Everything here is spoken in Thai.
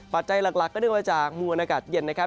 ปัจจัยหลักก็เนื่องมาจากมวลอากาศเย็นนะครับ